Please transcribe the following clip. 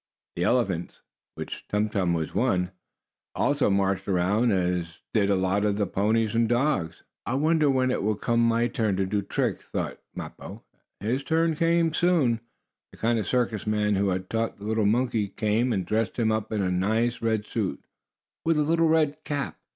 The elephants, of which Tum Tum was one, also marched around, as did lots of the ponies and dogs. "I wonder when it will come my turn to do tricks?" thought Mappo. His turn soon came. The kind circus man who had taught the little monkey, came and dressed him up in a nice red suit, with a little red cap.